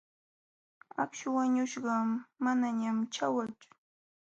Akśhu yanuśhqa manañan ćhawachu.